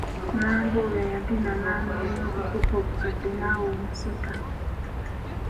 Nambobya yagenda nanoonya ogukopo ogukadde naawa omusota.